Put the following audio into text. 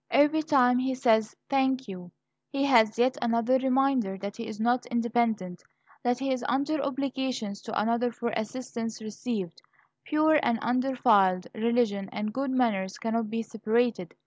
Every time he says "thank you," he has yet another reminder that he is not independent, that he is under obligations to another for assistance received. Pure and undefiled religion and good manners cannot be separated.